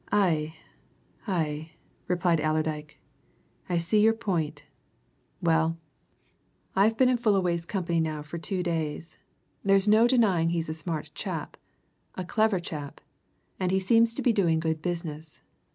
"Aye aye!" replied Allerdyke. "I see your point. Well, I've been in Fullaway's company now for two days there's no denying he's a smart chap, a clever chap, and he seems to be doing good business.